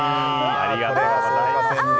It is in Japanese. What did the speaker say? ありがとうございます。